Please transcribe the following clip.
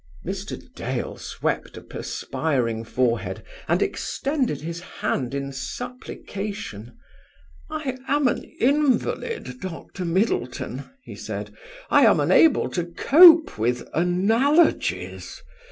Mr. Dale swept a perspiring forehead, and extended his hand in supplication. "I am an invalid, Dr. Middleton," he said. "I am unable to cope with analogies.